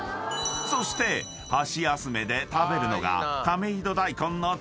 ［そして箸休めで食べるのが］